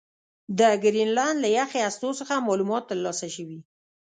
د ګرینلنډ له یخي هستو څخه معلومات ترلاسه شوي